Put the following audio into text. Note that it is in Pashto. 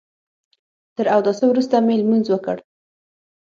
تر اوداسه وروسته مې لمونځ وکړ.